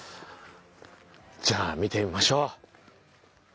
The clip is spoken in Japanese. じゃあ見てみましょう。